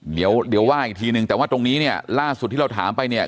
เดี๋ยวเดี๋ยวว่าอีกทีนึงแต่ว่าตรงนี้เนี่ยล่าสุดที่เราถามไปเนี่ย